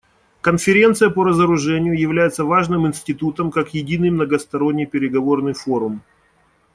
Конференция по разоружению является важным институтом как единый многосторонний переговорный форум.